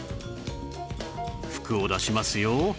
服を出しますよ。